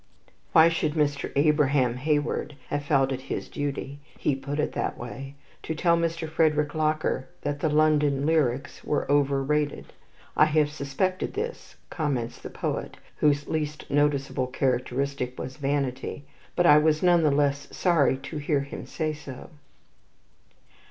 Why should Mr. Abraham Hayward have felt it his duty (he put it that way) to tell Mr. Frederick Locker that the "London Lyrics" were "overrated"? "I have suspected this," comments the poet, whose least noticeable characteristic was vanity; "but I was none the less sorry to hear him say so."